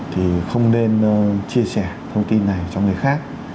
thì không nên chia sẻ thông tin này cho người khác